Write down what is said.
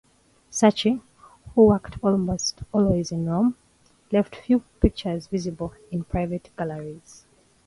Sacchi, who worked almost always in Rome, left few pictures visible in private galleries.